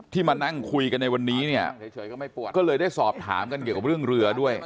มานั่งคุยกันในวันนี้เนี่ยก็เลยได้สอบถามกันเกี่ยวกับเรื่องเรือด้วย